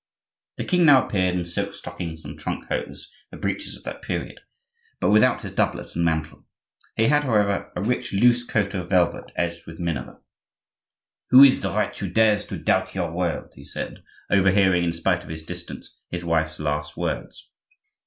The king now appeared, in silk stockings and trunk hose (the breeches of that period), but without his doublet and mantle; he had, however, a rich loose coat of velvet edged with minever. "Who is the wretch who dares to doubt your word?" he said, overhearing, in spite of his distance, his wife's last words.